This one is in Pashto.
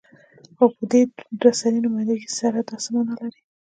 خو په دوه سري نمايندګۍ سره دا څه معنی لري؟